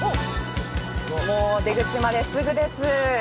出口まですぐです。